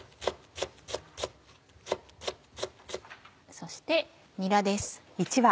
そしてにらです。